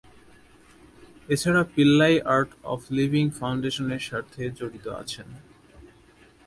এছাড়া Pillai art of living ফাউন্ডেশনের সাথে জড়িত আছেন।